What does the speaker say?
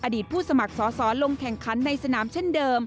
ผู้สมัครสอสอลงแข่งขันในสนามเช่นเดิม